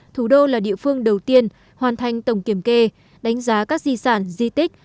thủ đô là địa phương đầu tiên hoàn thành tổng kiểm kê đánh giá các di sản di tích